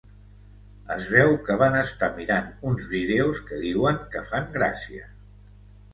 Es veu que van estar mirant uns vídeos que diuen que fan gràcia.